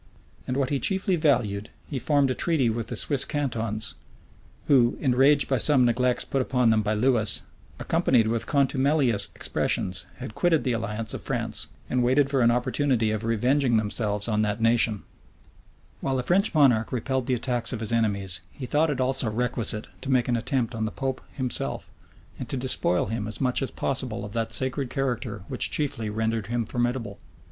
And what he chiefly valued, he formed a treaty with the Swiss cantons, who, enraged by some neglects put upon them by Lewis, accompanied with contumelious expressions, had quitted the alliance of France, and waited for an opportunity of revenging themselves on that nation. * Guicciard. lib. viii. Spel. Concil. vol. ii. p. 725. {1511.} While the French monarch repelled the attacks of his enemies, he thought it also requisite to make an attempt on the pope himself, and to despoil him as much as possible of that sacred character which chiefly rendered him formidable.